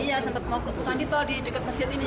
iya sempat mau keputusan di tol di dekat masjid ini